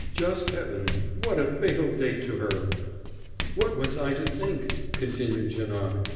"Just Heaven, what a fatal date to her!" "What was I to think?" continued Janoc.